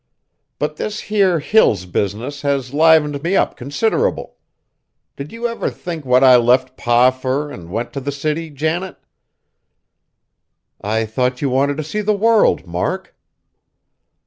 But this here Hills business has livened me up considerable. Did you ever think what I left Pa fur an' went t' the city, Janet?" "I thought you wanted to see the world, Mark."